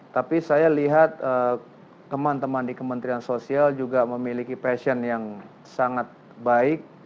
tapi saya lihat teman teman di kementerian sosial juga memiliki passion yang sangat baik